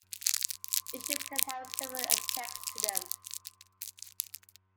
Issues can have several aspects to them.